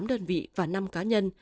tám đơn vị và năm cá nhân